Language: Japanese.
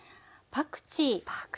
パクチー。